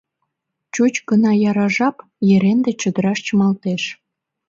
Чуч гына яра жап — Еренте чодыраш чымалтеш.